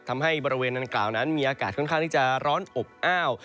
ทำให้บริเวณดังกล่าวนั้นมีอากาศค่อนข้างที่จะร้อนอบอ้าว